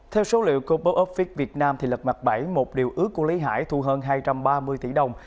theo số liệu của box office việt nam lật mặt bảy một điều ước của lý hải thu hơn hai trăm ba mươi tỷ đồng